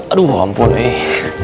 aduh ampun eh